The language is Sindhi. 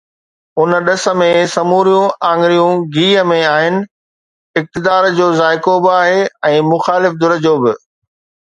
ان ڏس ۾ سموريون آڱريون گيهه ۾ آهن، اقتدار جو ذائقو به آهي ۽ مخالف ڌر جو به.